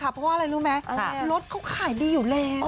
เพราะว่าอะไรรู้ไหมรถเขาขายดีอยู่แล้ว